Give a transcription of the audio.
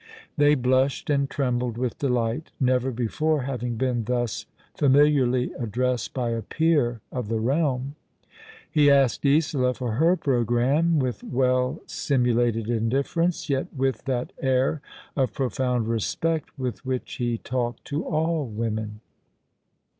'' They blushed and trembled with delight, never before having been thus familiarly addressed by a peer of the realm. He asked Isola for her programme, with well simu lated indifference, yet with that air of profound respect with which he talked to all women.